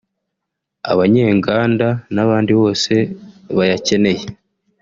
abanyenganda n’abandi bose bayakeneye